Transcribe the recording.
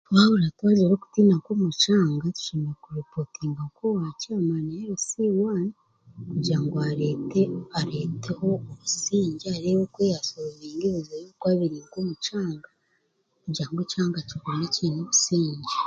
Twahurira twagira nk'okutiina omu kyanga tushemereire kuripotinga nka owa caimaani LC1 kugira ngu areete areeteho obusingye areebe nk'oku yaasorovinga ebizibu ebirikuba biri omu kyanga kugira ngu ekyanga kigume kiine obusingye